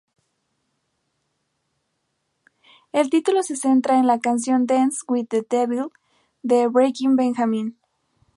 El título se centra en la canción "Dance With The Devil" de Breaking Benjamin.